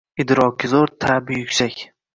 Idroki zoʼr, taʼbi yuksak